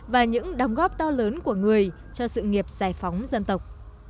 và những đóng góp to lớn của người cho sự nghiệp giải phóng dân tộc